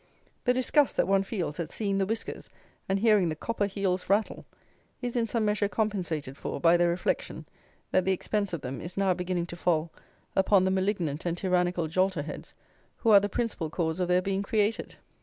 The disgust that one feels at seeing the whiskers, and hearing the copper heels rattle, is in some measure compensated for by the reflection, that the expense of them is now beginning to fall upon the malignant and tyrannical jolterheads who are the principal cause of their being created.